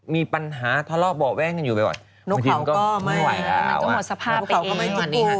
มีปัญหาทะเลาะบ่อแวงกันอยู่ไปกัน